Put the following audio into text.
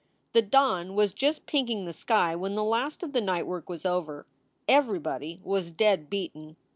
The dawn was just pinking the sky when the last of the night work was over. Everybody was dead beaten.